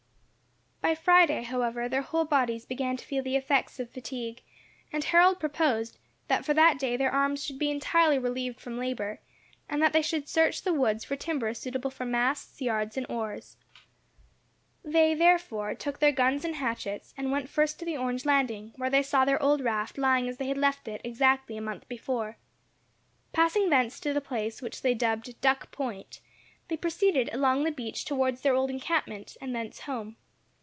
By Friday, however, their whole bodies began to feel the effects of fatigue; and Harold proposed, that for that day their arms should be entirely relieved from labour, and that they should search the woods for timber suitable for masts, yards, and oars. They, therefore, took their guns and hatchets, and went first to the orange landing, where they saw their old raft lying as they had left it exactly a month before. Passing thence to the place which they had dubbed "Duck Point," they proceeded along the beach towards their old encampment, and thence home.